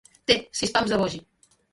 Té sis pams de vogi.